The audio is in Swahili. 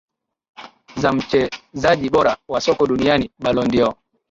za mchezaji bora wa soka duniani Ballon dOr